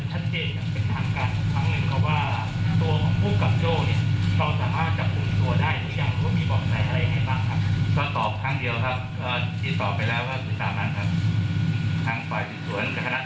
เราจะให้ข้อมูลกับเศรษฐาผู้ต้องหายังไม่ได้อยู่ในตู้เย็น